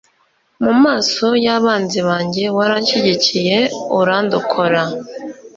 mu maso y'abanzi banjye waranshyigikiye, urandokora